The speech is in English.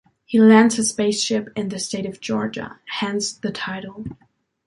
He lands his spaceship in the state of Georgia, hence the title.